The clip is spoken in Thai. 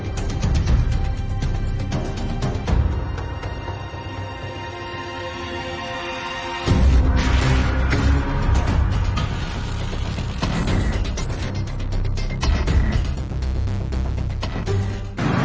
สุดท้ายสุดท้ายสุดท้ายสุดท้าย